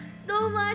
どうぞ！